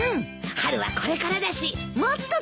春はこれからだしもっと楽しむよ。